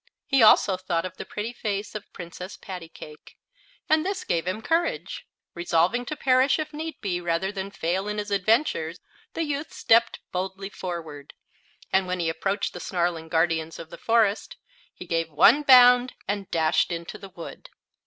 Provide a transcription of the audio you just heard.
He also thought of the pretty face of Princess Pattycake, and this gave him courage. Resolving to perish, if need be, rather than fail in his adventure, the youth stepped boldly forward, and when he approached the snarling guardians of the forest he gave one bound and dashed into the wood.